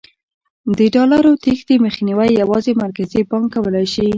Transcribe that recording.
د ډالرو تېښتې مخنیوی یوازې مرکزي بانک کولای شي.